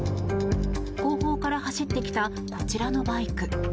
後方から走ってきたこちらのバイク。